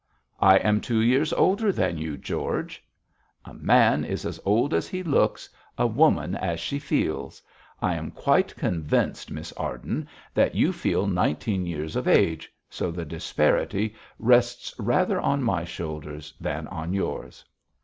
'I am two years older than you, George.' 'A man is as old as he looks, a woman as she feels. I am quite convinced, Miss Arden, that you feel nineteen years of age, so the disparity rests rather on my shoulders than on yours.'